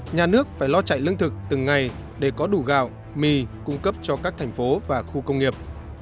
nhà nước phải lo chạy lương thực từng ngày để có đủ gạo mì cung cấp cho các thành phố và khu công nghiệp